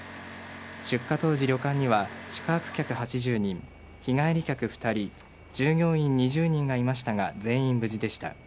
出火当時、旅館には宿泊客８０人日帰り客２人従業員２０人がいましたが全員無事でした。